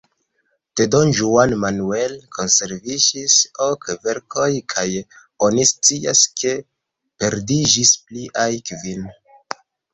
De don Juan Manuel konserviĝis ok verkoj, kaj oni scias ke perdiĝis pliaj kvin.